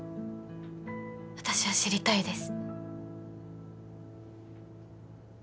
私は知りたいです